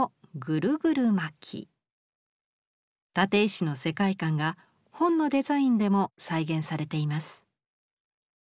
立石の世界観が本のデザインでも再現されています。